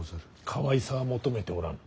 かわいさは求めておらぬ。